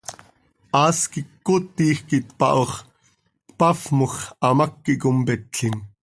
Haas quih cöcootij quih tpaho x, tpafmoj x, hamác quih competlim.